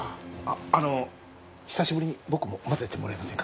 あの久しぶりに僕も交ぜてもらえませんか？